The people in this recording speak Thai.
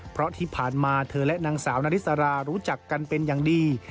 เพราะที่ผ่านมาเธอและนางสาวนาริสรารู้จักกันเป็นอย่างดี